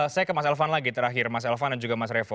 saya ke mas elvan lagi terakhir mas elvan dan juga mas revo